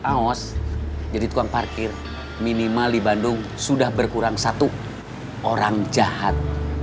aos jadi tukang parkir minimal di bandung sudah berkurang satu orang jahat